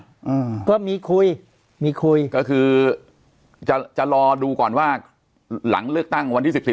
อืมก็มีคุยมีคุยก็คือจะจะรอดูก่อนว่าหลังเลือกตั้งวันที่สิบสี่